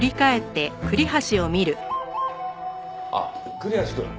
あっ栗橋くん。